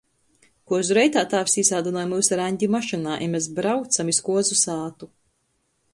Kuozu reitā tāvs īsādynoj myus ar Aņdi mašynā i mes braucam iz kuozu sātu.